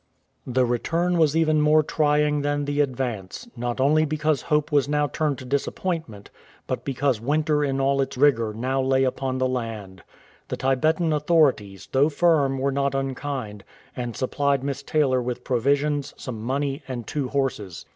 The return was even more trying than the advance, not only because hope was now turned to disappointment, but because winter in all its rigour now lay upon the land. The Tibetan authorities, though firm, were not unkind, and supplied Miss Taylor with provisions, some money, and two horses.